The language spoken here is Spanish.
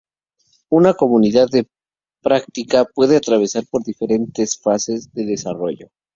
Una comunidad de Práctica puede atravesar por diferentes fases de desarrollo.